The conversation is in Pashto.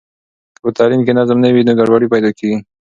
که په تعلیم کې نظم نه وي نو ګډوډي پیدا کېږي.